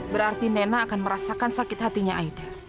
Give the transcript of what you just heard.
berarti nena akan merasakan sakit hatinya aida